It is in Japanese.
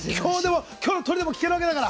きょうの、トリでも聴けるわけだから。